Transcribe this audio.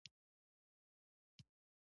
سوالګر ته د زړه خیر ارزښت لري